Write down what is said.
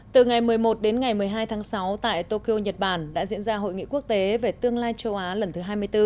từ ngày một mươi một đến ngày một mươi hai tháng sáu tại tokyo nhật bản đã diễn ra hội nghị quốc tế về tương lai châu á lần thứ hai mươi bốn